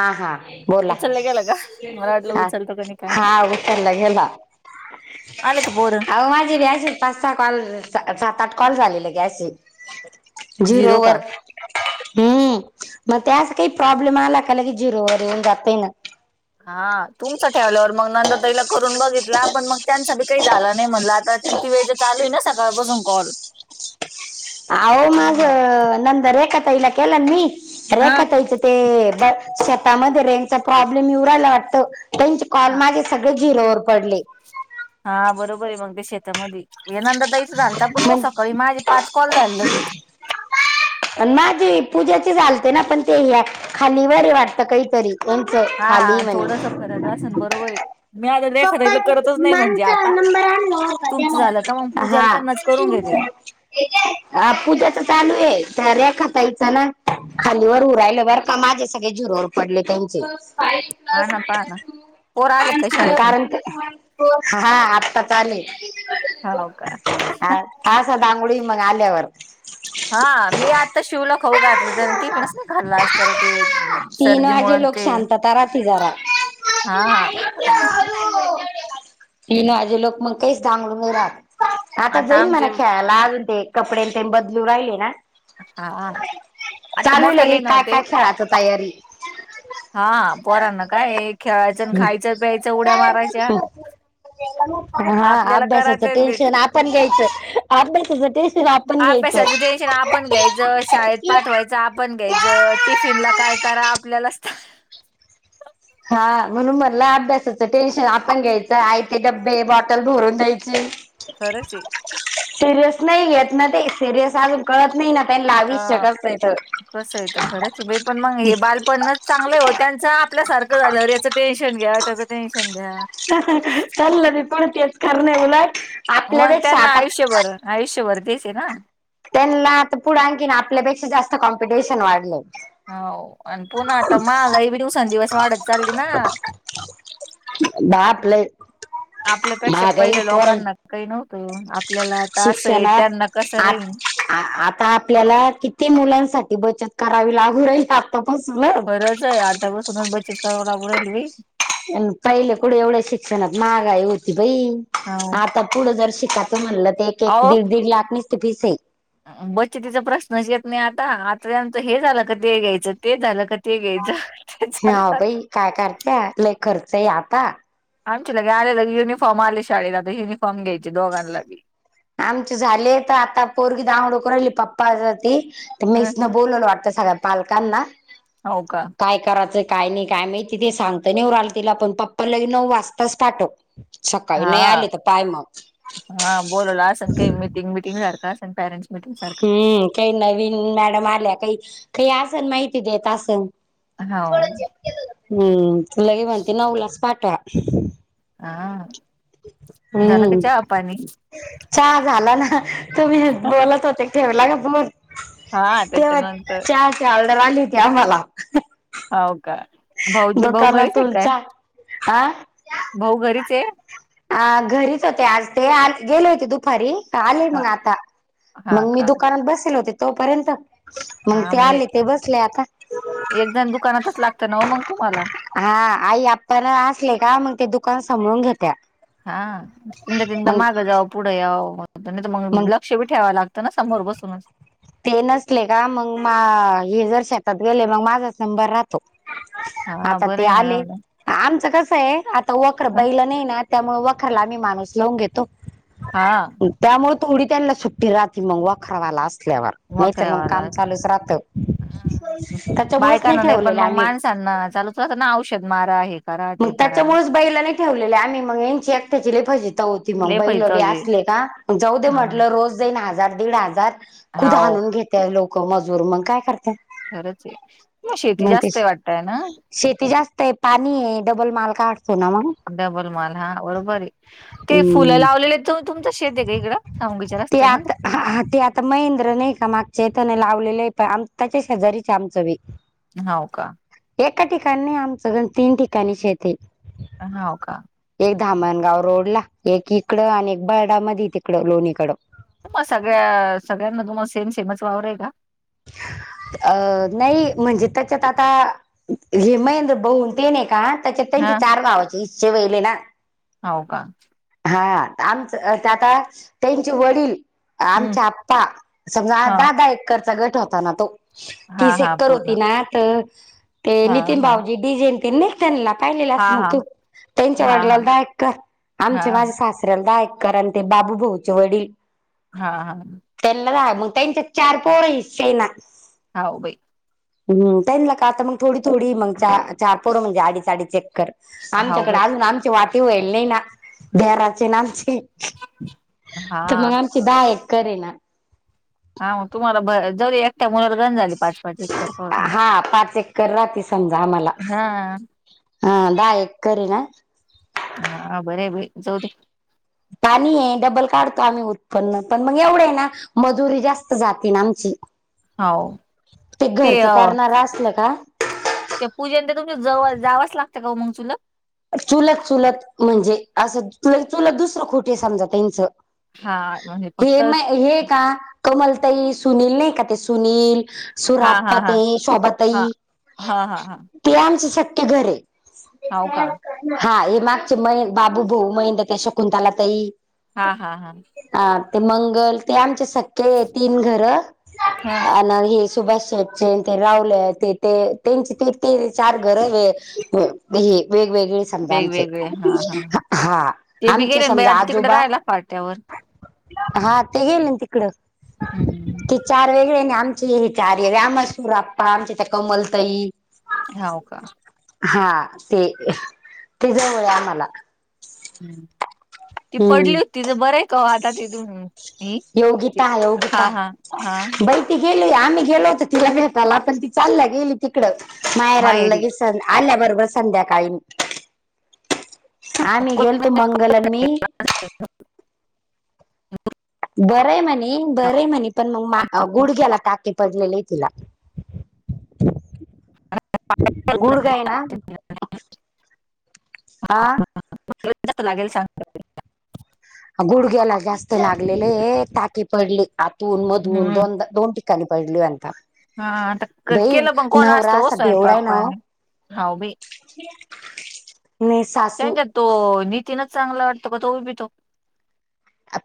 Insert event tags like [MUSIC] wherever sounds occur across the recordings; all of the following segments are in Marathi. हा हा बोला उचललं गेलं का मला वाटलं ह उचलतो का नाही काय हा माहित. उसरला गेला. आले का पोर आव माझी भी असशी पाच सहा कॉल सात आठ कॉल झालेले गशी झिरो वर हम्म मग त्या अस काही प्रॉब्लेम आला का की झिरोवर येऊन जातय ना हा तुमच ठेवल्यावर मग नंदा ताईला करून बघितला पण मग त्यांचा बाई काही झाला नाही म्हणला. आता किती वेळच चालू आहे ना सकाळपासून कॉल अव त्याच्यामुळे मग माझं नंद रेखा ताईला केलं मी हा रेखा ताई चं ते ब शेतामध्ये रेंजचा प्रॉब्लेम येवू राहिला वाटत त्यांचे कॉल हा माझे सगळे झिरो वर पडले. हा बरोबर आहे मग ते शेतामध्ये या नंदा ताई जालता पण मग म्हण सकाळी माझे पाच कॉल झाल मी माझी पूजाचे चालते ना पण ते खालीवररे वाटतं काहीतरी यांच हा खाली म्हणे थोडासा फरक बरोबर आहे. मी आता सगळीकडे करतच नाही म्हणजे आता तुमचं झालं का मग पूजाला त्यांनाच करून घेते. ह पूजाच चालू आहे त्या रेखाताई चा ना खालीवर उरायलं बरं का माझे सगळे झिरोवर पडले त्यांचे फा हा ना पहा प्लस ना पोर आले का टू शाळेतून कारण ते हा आत्ता चाले हो का कासातांंगुड मग आल्यावर हा मी आजता शिवला खाऊ घातलं त्या टिफिनच ना घरला अस त्याला प तीन वाजे लोक शांतता राहती जरा हा हीन माझे लोक मग काहीच सांगून नाही राह आता जाईन मणा ख्याला अजून ते कपडे ते बदलू राहिले न हा आता मोठाले चालूलगी काय नव्हते काय खेळाच तयारी हा बर ना काय खेळायचं खायचं प्यायच उड्या मारायच्या आपल्याला करायचं ते पण घ्यायचं आप्या तेि आप पे सजिटेशन आप आपण घ्यायचं शाळेत पाठवायचं आपण घ्यायचं टिफिन ला काय करा आपल्याला हा म्हणून मणला अभ्यासाचं टेन्शन आपण घ्यायचं आय ते डब्बे बॉटल भरून द्यायचे खरंच आहे सिरियस नाही येत ना ते सिरियस अजून कळत नाही न अ कस आहे तर खरंच आहे बा पण मग हे बालपणच चांगलं हो त्यांचं आपल्यासारखं झाल्यावर याचं टेन्शन घ्या त्याचं टेन्शन घ्या चाललं ती पण तेच करणे मुल मग त्यांना आयुष्यभर आयुष्यभर दिसे ना त्यांना आता पुढं आणखीन आपल्यापेक्षा जास्त कॉम्पिटिशन वाढलं हो आणि पुन्हा आता मगही बी दिवसांंदिवस वाढत चालली ना बाप लय आपल्यापेक्षा महागाई पहिल्या लोकांना काही नव्हत शिक्षला आ आता आपल्याला किती मुलांसाठी बचत करावी लागू राहील आतापसूनच आ स बैच सवलाेल्वी पहिले कुढे एवढे शिक्षण महागाय होती बाई हो आता पुढं जर शिक म्हणलं तर एक एक दीड दीड लाख मसते फीस आहे बच्च तिचा प्रश्नच येत नाही आता आता त्यांचं हे झालं का ते घ्यायचं ते झालं का ते घ्यायचं ते झालं हा बाई काय करते ल खर्च आता आमच्या लगे आलेलं युनिफॉर्म आले शाळेला तर युनिफॉर्म घ्यायचे दोघांनागी आमचे झाले तर आता पोरगी दडोकर राहिली पप्पा त हम्म मेस न बोलून वाटतं सगळ्या पालकांना हो का काय करायचं काय नाही काय माहिती ते सांगत नाही उ रा आल तिला पण पप्पा लग नऊ वाजताच पाठव सकाळी नाही हा आले तर पाय मग हा बोलला असं काही मिीटिंग मिटिंग सारखं असे पॅरेंट्स मिटिंग सारखं हम्म काही नवीन मॅडम आल्या काही काही असल माहिती देत असन हो हम्म तुला हेी म्हणती नऊलाच पाठवा हा झाला का हम्म चहा पाणी चहा झाला ना तुम्ही बोलत होते ठव लाग पर हा तेव्हा त्याच्यानंतर चार हदर आली होती आम्हाला हो का भाऊजी भाऊ घरीच आहे दुकानातून काय चहा हा भाऊ घरीच आहे अ घरीच होते आज ते आ गेले होते दुपारी. आलेय हा मग आता हा मग मी का दुकानात बसेल होते तोपर्यंत. हा ते मग आले ते बसले आता एक जण दुकानातच लागत ना हो मग तुम्हाला. हा आई आपण असले का मग ते दुकान सभाळून घेत्या. हा त तदा मग मागं जाव पुढे याव नाही तर मग. शक्षेप ठेवा लागतं ना समोर बसूनच. ते नसले का मग मा हे जर शेतात गेले मग माझाच नंबर राह. हा आता बरं ते आहे ना आले. जाऊ द्या. आमचं कसं आहे आता वखर बैलं नाही ना त्यामुळे वखरला आम्ही माणूस लावून घेतो. हा. त्यामुळे तेवडीी त्यांना सुट्टी राती मंगवा खरवायला असल्यावर. नाहीतर मग काम चालूच राहतं. ह त्याच्यामुळेच बायकांना नाही पण ठेवलेले मग आम्ही माणसांना चालू त असं ना औषध मार आहे. मग त्याच्यामुळेच बैलाने ठेवलेले आम्ही मग यांची एकट्याचीलेफजिता होती मग लय बैल बी फैतावते असले का. जाौ हा म्हटलं रोज जाईन हजार दीड हजार. कुद हाव आणून घेते लोक मजूर मग काय करते. खरच आहे मग शेती जास्त वाटतय ना. शेती जास्त आहे पाणी आहे डबल माल काढतो ना मग. डबल माॉल हा बरोबर आहे. ते फुलं हम्म. लावले आहेत तर तुमचं शेत आहे का इकं सामगीच्या रस्त्या. [INAUDIBLE] आता महेंद्र नाही का मागच्या त्याने लावलेले आहे पण आम त्याच्या शेजारीच आमचं बी. हो का. एका ठिकाणी नाही आमचंण तीन ठिकाणी शेत आहे. का. एक धामणगाव रोड ला एक इकडं आणि एक बर्डा मध तिकडं लोणीकडं. तु मग सगळ्या सगळ्यांना तुम्हाला सेम सेमच वावर आहे का. अ नाही म्हणजे त्याच्यात आता. हे महेंद्र बहून ते नाही का त्याच्यात त्यांचे हा चार भावाचे इषे वहिले ना. हो का. हा आमच आता त्यांचे वडील. हम्म आमच्या आप्पा समजा हा दहा दहा एकरचा गट होता ना तो. ती हा हा सेक्कर होती पूर्ण ना तर ते हा नितीन हा भाऊजी डिजेनतील ना. त्यां हा पाहिलेलं ना हा तू त्यांच्या हा वडला हा दायक कर हा आमच्या माझ्या सासऱ्याला दयक. कारण ते बाबू भाऊचे वडील. हा हा. तेल मु तन च चार पर ह ना. हा भाई. हम् टाईम ला का आता मग थोडी थोडी मग च चार पोड म्हणजे आडीचचाडी चेक कर. हाव आमच्याकडे बाई अजून आमचे वाटे होईल नाही ना बराचे ना आमचे. हा तर मग आमची बा एकक करेल. हा तुम्हाला भ जरी एकट्या मुलावर गन झाली. पाच पाच एकर हा पाच एककर राही समजा आम्हाला. हा हा द एक करी ना. हा बर भ जाऊ दे. पाणी आहे डबल काढतो आम्ही उत्पन्न पण मग एवढं आहे ना. मजुरी जास्त जाती ना आमची. हो ते घरचं करणारं असलं का. त्या पूजेनंतर तुमच्या जवळ जांच लागतं का मग तुला. चुलत चुलत म्हणजे असं चुलत दुसरं खोटे समजा त्यांच. हा म्हणजे फक्त हे म स- हे का. कमलताई सुनील नाही का ते सुनील. हा सुरप हा हा ते हा शोभतई. हा हा हा ते आमच सक्े घर आहे. हाव का हा हे मागचे मै बाबू भाऊ मैंद त्या शकुंताला तई हा हा हा. हा ते मंगल ते आमचे सख्खे आहे तीन घरं. हा आणि हे सुभाष शेठ, ते रावले ते ते त्यांचे ते ते चार घर व वेगवेगळे आमचे आमचे वेगवेगळे हा हा हा ते बी आमचे गेले ना बाई समजा आता तिकडे आजोबा. राहायला पाट्यावर हा ते गेले ना तिकड. हम्म चार वेगळे ना आमचे हे चार वेगळे आम्हसूर आप्पा आमच्या त्या कमल तई. हो का? हा ते ति जवळे आम्हाला हम्म ती पडली हम्म होती तर बरंय का ओ आता तिथून योगिता योगिता हा बई. ती गेली आम्ही गेलो होतो तिला भेतायला पण ती चाल गेली तिकडं मायराला माहेरी लगेच. आल्याबरोबर संध्याकाळी आम्ही गेलतो मंगल आण मी अ. बरं आहे म्हणे बरे म्हणे पण मग गुडघ्याला टाके पडलेले आहे तिला गुडघाय ना. आ. ह. जास्त लागेल सांग. गुडघ्याला जास्त लागलेले टाकी पडली आतून मधून हम्म दोनदा दोन ठिकाणी पडलीयता हा आता केलं पण कोण असतं हो असा स्वयंपाक पाने हाऊ बाई. नाही सासू त्यांच्या तो नितीनच चांगला वाटतो का तोबी पितो.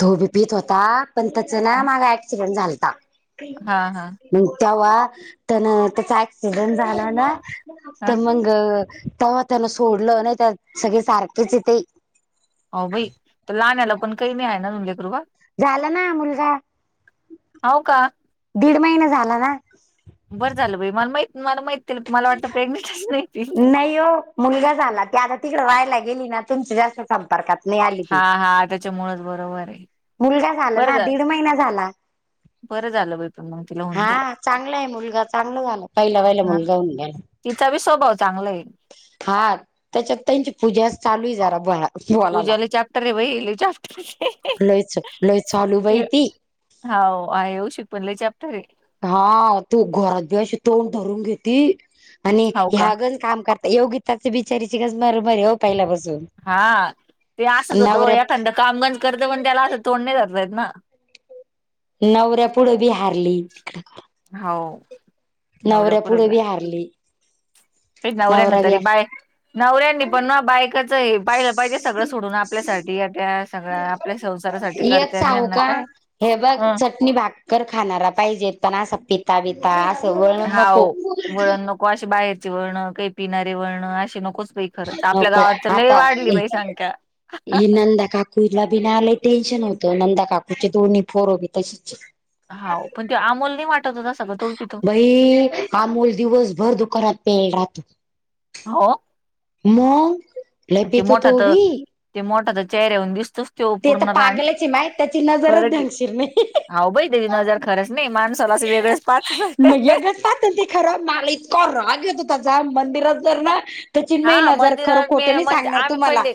तोबी पीत होता पण त्याच ना मागा ऍक्सिडेंट झालता. हा हा मग तेव्हा त्यान त्याचा अक्सिडेंट झाला ना हा तर मग अ तेव्हा त्यान सोडलं नाही तर सगळे सारखेच य तेे हो बाई तर लाण्याला पण काही नाही आहे ना आजुन लेकरुबाळ झालं ना मुलगा हो का दीड महिने झाला ना बरं झालं भाई मला मा मला माहित नाही ओ. मुलगा झाला ते आता तिकड रा्हायला गेली ना तुमं जास्त संपर्कात नाही आली. हा ती हा त्याच्यामुळेच बरोबर आहे. मुलगा झाला बरं ना झालं दीड महिना झाला. बरं झालं बाई पण मग तिला होऊन गेलं हा चांगला आहे मुलगा चांगला झाला पहिला पहिला हा मुलगा होऊन गेला. तिचा बी स्वभाव चांगला आहे. हा त्याच्यात त्यांची पूजा चालू जरा बळा पूजा लय चॅप्टर रे बाई लय चॅप्टर लयच लय चालू बाई हे. ती हो येऊशिक पण लय चॅप्टर हे. हा तू घोरात बी अशी तोंड धरून घेती आणि हाव का ह्यागण काम कर. योगीताचे बिचारीचे गस मर मरे हो पहिल्यापासून हा ते असत होतो नवऱ्या एखादा कामगज करत पण त्याला असं तोंडणे जातयत ना नवऱ्या पुुढं बी हारली तिकडे हो नवऱ्या पुढे बी हारली भच नवऱ्या ना नवरा बी तरी बाय नवऱ्यांनी पण ना बायकाच पाहिलं पाहिजे सगळं सोडून आपल्यासाठी अ त्या सगळ्या आपल्या संसारासाठी एक करते आणि सांगू यांना काय ह कर खाणारा पाहिजेत पण असं पिता बिता असं वळण नको नको असे बाहेरचे वळण काही पिणारे वळणं असे नकोच बाई खरच आपल्या नको गावात तर लय आता वाढली बाई संंख्या खुईला बि नाही आलंय टेन्शन होतं नंदा काकूचे दोन्ही फोरो बी तसेच हो पण त अमोल नाही वाटत हो तसा पण तो बी पितो अमोल दिवसभर दुकानात पेल राहतो हो मग लय ते पितो मोठा तो तर बी ते मोठा तर चेहऱ्या होऊन दिसतोच तो ते तर पूर्ण राां पागलच आहे माय त्याची नजरच खरं घालशील नाही हा भाई त्याची नजर खरंच नाही माणसाला असं वेगळेंच पाचला मग ते खरं माला इतका राग येतो त्याचा मंदिरात जर ना त्या चिन्मय हा नजर खरं मंदिरात मी खोठं नाही म्हणजे सांगणार आम्ही तुमला पहिले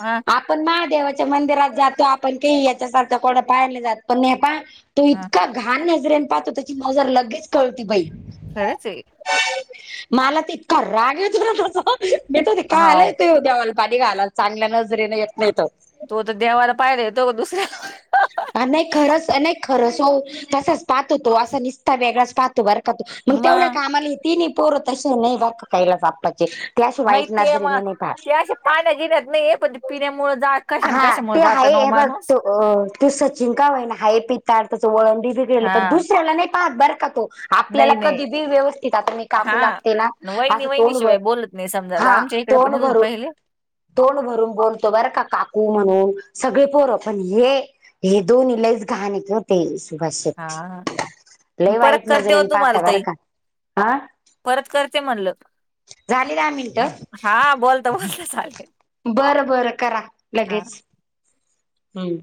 हा पण महादेवाच्या मंदिरात जातो आपण का याच्यासारखं कोणा पाहायला जात पण नाहीे प तो हा इतका घाण नजरेने पाहतो त्याची मजर लगेच कळती बाई खरची मला त इतका राग येत होला तसा भेट ते काय हाव आलायेतो देवाल पाणी घाला चांगल्या नजरेने येत नाहीत तो तर देवाला पाहिला येतो का दुसऱ्या ह नाही खरंच नाही खरंच हो तसाच पाहत होतो असा निसता वेगळाच पाह बर का तू मग तेवढ्या का आम्हाला ती नाही पोर तस नाही बर काहीला सापचे नाही ते मग ते असे पाण्या गेण्यात नाही पण ते पिण्यामुळ जात कशा कशामुळे हा जात ना हो माणूस हेतो अ तू सचिन का होई ना हाय पी तडताचं वळंडीी बिगडलं पण दुसऱ्याला नाही पाहतात बरं का तो आपल्याला नाहीय नाहीय कधी बी व्यवस्थित आता मी हा काकू लागते ना वयनी असं वयनी तोंड भर शिवाय बोलत नाही समजा आता आमच्या इकडे पण पहिले तोोल भरून बोलतो बरं का काकू म्हणून सगळे पोर पण हे हे दोन्ही लईच गहाण कर होते सुभाष हा शेट्टी मी परत लवईट करते हो नजरेन पाात तुम्हाला वर ताई का हा परत करते म्हणलं झाले दहा मिनिटं हा बोलता बोलता चालेल बरं बरं करा हा लगेच हम्